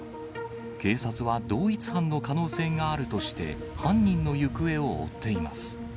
警察は同一犯の可能性があるとして、犯人の行方を追っています。